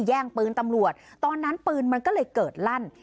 แย่งปืนตำรวจตอนนั้นปืนมันก็เลยเกิดลั่น